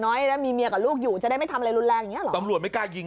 น้อยนะมีเมียกับลูกอยู่จะได้ไม่ทำอะไรรุนแรงอย่าง